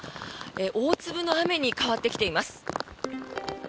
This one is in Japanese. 大粒の雨に変わってきています。